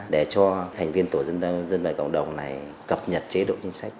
do thành viên tổ dân vận cộng đồng này cập nhật chế độ chính sách